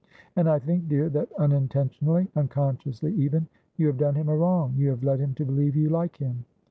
And I think, dear, that unintentionally — unconsciously even — you have done him a wrong. You have led him to believe you like him.'